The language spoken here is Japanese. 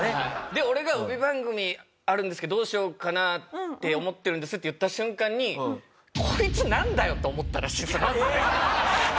で俺が「帯番組あるんですけどどうしようかなって思ってるんです」って言った瞬間にこいつなんだよ！と思ったらしいです。